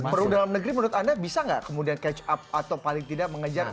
perlu dalam negeri menurut anda bisa nggak kemudian catch up atau paling tidak mengejar